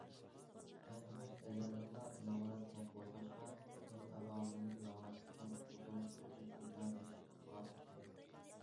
كەنتىمىز ئەزەلدىنلا نامرات كەنت بولغاچقا، كەنت ئاھالىلىرىنى نامراتلىقتىن قۇتۇلدۇرۇش بىزگە ئىنتايىن تەسكە توختىغان ئىدى.